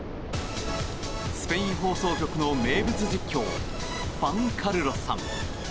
スペイン放送局の名物実況ファン・カルロスさん。